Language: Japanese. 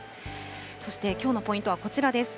そしてきょうのポイントはこちらです。